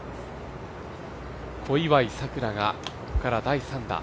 小祝さくらがこれから第３打。